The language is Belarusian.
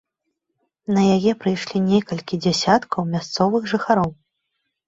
На яе прыйшлі некалькі дзясяткаў мясцовых жыхароў.